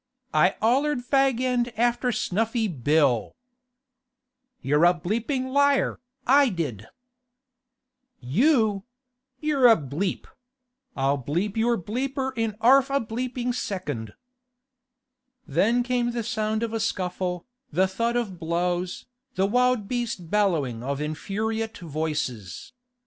'I 'ollered fag end after Snuffy Bill!' 'You're a —— liar! I did!' 'You! You're a ——! I'll —— your —— in arf a —— second!' Then came the sound of a scuffle, the thud of blows, the wild beast bellowing of infuriate voices.